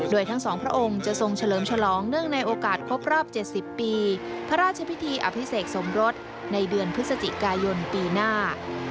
โดยทั้งสองพระองค์จะทรงเฉลิมฉลองเนื่องในโอกาสครบรอบ๗๐ปีพระราชพิธีอภิเษกสมรสในเดือนพฤศจิกายนปีหน้า